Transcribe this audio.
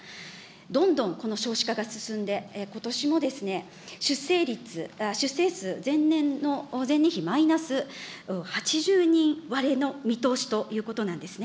どんどんこの少子化が進んで、ことしも出生数、前年比マイナス８０人割れの見通しということなんですね。